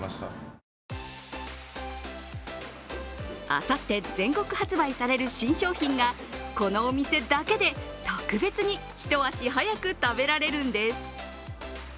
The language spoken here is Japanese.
あさって全国発売される新商品がこのお店だけで特別に一足早く食べられるんです。